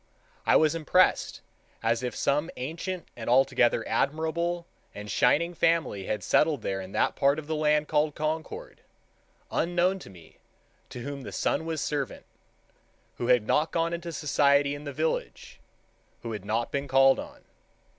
I was impressed as if some ancient and altogether admirable and shining family had settled there in that part of the land called Concord, unknown to me—to whom the sun was servant—who had not gone into society in the village—who had not been called on.